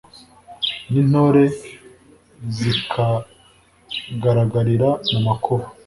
n'intore zikagaragarira mu makuba